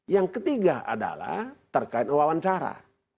yang ketiga adalah terkait wawancara